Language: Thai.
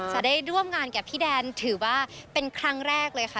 จะได้ร่วมงานกับพี่แดนถือว่าเป็นครั้งแรกเลยค่ะ